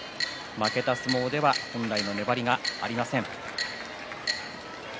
負けた相撲では本来の粘りがありません。